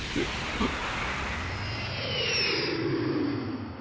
あっ。